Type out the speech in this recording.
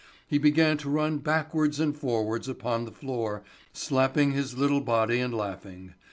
He began to run backwards and forwards upon the floor, slapping his little body and laughing.